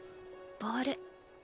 ボール？